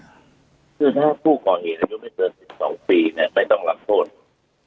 คือถ้าผู้ก่อเหตุอายุไม่เกิน๑๒ปีเนี่ยไม่ต้องรับโทษ